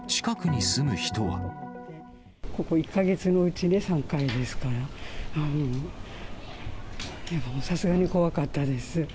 ここ１か月のうちで３回ですから、さすがに怖かったです。